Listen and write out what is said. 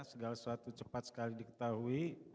segala sesuatu cepat sekali diketahui